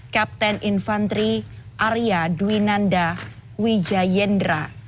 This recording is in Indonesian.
kapten infantri arya dwinanda wijayendra